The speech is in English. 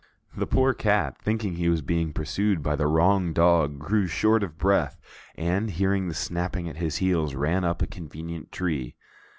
The poor cat, thinking he was being pursued by the wrong dog, grew short of breath, and, hearing the snapping at his heels, ran up a convenient tree.